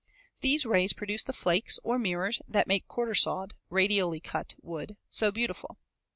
These rays produce the "flakes" or "mirrors" that make quartersawed (radially cut) wood so beautiful.